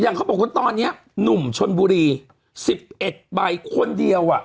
อย่างเขาบอกว่าตอนเนี้ยหนุ่มชนบุรี๑๑ใบคนเดียวอ่ะ